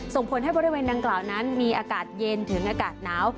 ส่งผลให้บริเวณดังกล่าวนั้นมีอากาศเย็นถึงอากาศหนาว